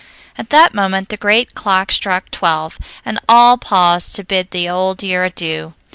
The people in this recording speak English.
At that moment the great clock struck twelve, and all paused to bid the old year adieu.